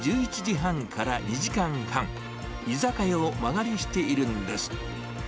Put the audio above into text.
午前１１時半から２時間半、居酒屋を間借りしているんです。